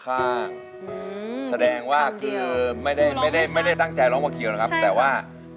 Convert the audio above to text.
ค่าแสดงว่าคือไม่ได้ตั้งใจร้องหัวเขียวนะครับแต่ว่าใช่